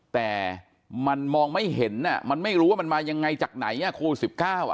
แต่มันมองไม่เห็นจะไม่รู้ว่ามันมายังไงจากไหนโควิด๑๙